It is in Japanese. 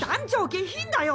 下品だよ！